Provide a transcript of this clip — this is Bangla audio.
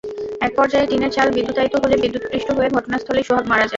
একপর্যায়ে টিনের চাল বিদ্যুতায়িত হলে বিদ্যুৎস্পৃষ্ট হেয় ঘটনাস্থলেই সোহাগ মারা যায়।